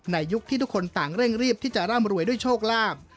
ยุคที่ทุกคนต่างเร่งรีบที่จะร่ำรวยด้วยโชคลาภ